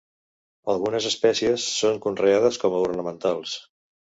Algunes espècies són conreades com a ornamentals.